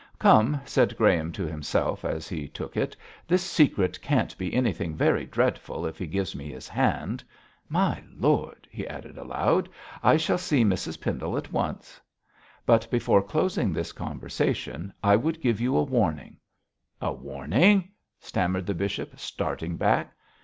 'Come,' said Graham to himself as he took it, 'this secret can't be anything very dreadful if he gives me his hand. My lord!' he added aloud, 'I shall see Mrs Pendle at once. But before closing this conversation I would give you a warning.' 'A warning!' stammered the bishop, starting back.